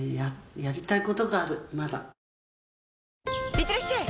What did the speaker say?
いってらっしゃい！